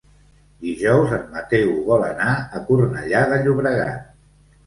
Dijous en Mateu vol anar a Cornellà de Llobregat.